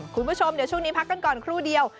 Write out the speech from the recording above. คุณผู้ชมเดี๋ยวช่วงนี้พักกันก่อนครู่เดียว